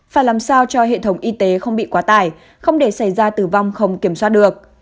phải làm sao cho hệ thống y tế không bị quá tải không để xảy ra tử vong không kiểm soát được